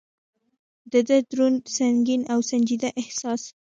د ده دروند، سنګین او سنجیده احساس.